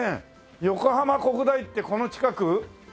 横浜国大ってこの近く？